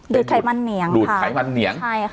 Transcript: ดูดไขมันเหนียงค่ะดูดไขมันเหนียง